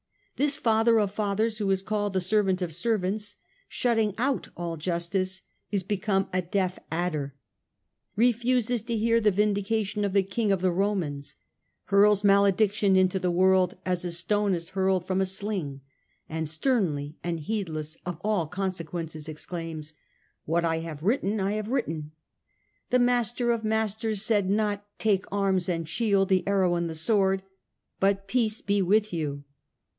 This Father of Fathers, who is called the servant of servants, shutting out all justice, is become a deaf adder ; refuses to hear THE SECOND EXCOMMUNICATION 165 the vindication of the King of the Romans ; hurls malediction into the world as a stone is hurled from a sling ; and sternly and heedless of all consequences, exclaims, l What I have written, I have written.' The Master of Masters said not * Take arms and shield, the arrow and the sword,' but * Peace be with you.'